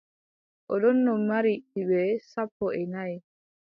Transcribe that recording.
O ɗonno mari ɓiɓɓe sappo e nay.